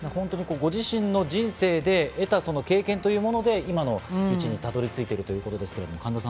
ご自身の人生で得た経験というもので、今の道にたどり着いているということです。